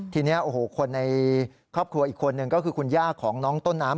ทีนี้โอ้โหคนในครอบครัวอีกคนนึงก็คือคุณย่าของน้องต้นน้ำ